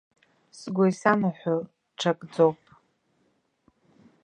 Сгәы исанаҳәо ҽакӡоуп.